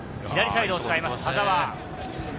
左サイドを使います、田澤。